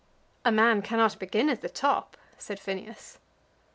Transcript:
"A man cannot begin at the top," said Phineas.